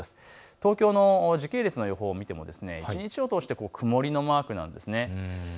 東京の時系列の予報を見ても一日を通して曇りのマークです。